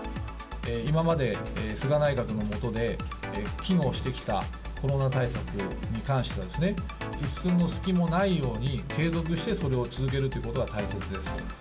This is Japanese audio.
今まで菅内閣の下で機能してきたコロナ対策に関してはですね、一寸の隙もないように継続してそれを続けるということが大切です。